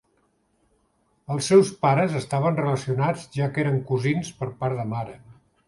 Els seus pares estaven relacionats ja que eren cosins per part de mare.